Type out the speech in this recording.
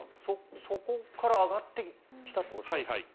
そこから上がってきたっていうことですかね。